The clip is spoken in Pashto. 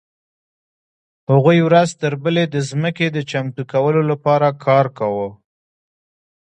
هغوی ورځ تر بلې د ځمکې د چمتو کولو لپاره کار کاوه.